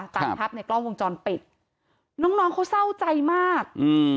ตามภาพในกล้องวงจรปิดน้องน้องเขาเศร้าใจมากอืม